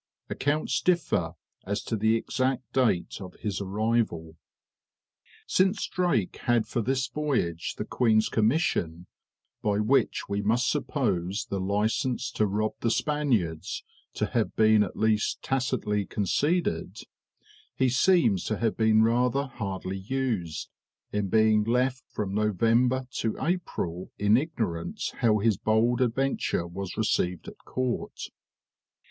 Accounts differ as to the exact date of his arrival. Since Drake had for this voyage the queen's commission, by which we must suppose the license to rob the Spaniards to have been at least tacitly conceded, he seems to have been rather hardly used, in being left from November to April in ignorance how his bold adventure was received at court.